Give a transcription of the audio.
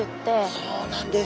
そうなんです。